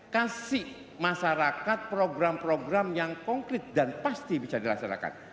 kasih masyarakat program program yang konkret dan pasti bisa dilaksanakan